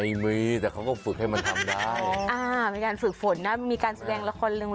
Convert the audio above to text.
ลิงมีไปขับขี่ไหมตนนี้ไปขับขี่ลิงนะ